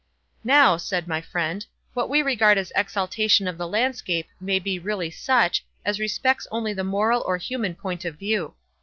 "Now," said my friend, "what we regard as exaltation of the landscape may be really such, as respects only the moral or human point of view.